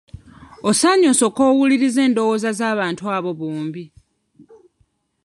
Osaanye osooke owulirize endowooza z'abantu abo bombi.